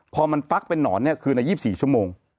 พอมันฟักเป็นนอนเนี่ยคือใน๒๔ชั่วโมง